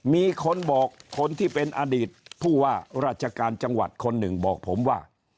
มีคนบอกคนที่เป็นอดีตผู้ว่าราชการจังหวัดคนหนึ่งบอกผมว่า